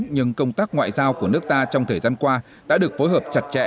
nhưng công tác ngoại giao của nước ta trong thời gian qua đã được phối hợp chặt chẽ